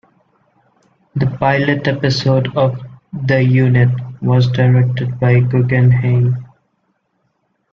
The pilot episode of "The Unit" was directed by Guggenheim.